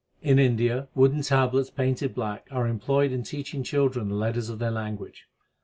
In India wooden tablets painted black are employed in teaching children the letters of their language.